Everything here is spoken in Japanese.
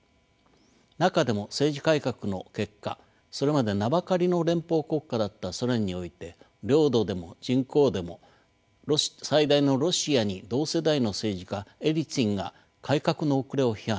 中でも政治改革の結果それまで名ばかりの連邦国家だったソ連において領土でも人口でも最大のロシアに同世代の政治家エリツィンが改革の遅れを批判台頭しました。